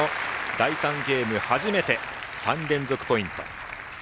第３ゲーム、初めて３連続ポイント。